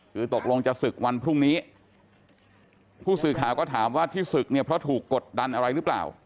คือตกลงจะศึกวันพรุ่งนี้ผู้สื่อข่าวก็ถามว่าที่ศึกเนี่ยเพราะถูกกดดันอะไรหรือเปล่า